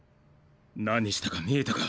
何したか見えたか？